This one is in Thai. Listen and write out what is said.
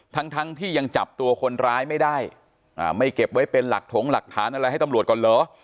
ทั้งทั้งที่ยังจับตัวคนร้ายไม่ได้ไม่เก็บไว้เป็นหลักถงหลักฐานอะไรให้ตำรวจก่อนเหรอ